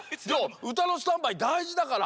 うたのスタンバイだいじだから。